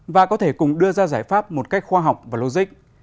và có thể cùng đưa ra giải pháp một cách khoa học và logic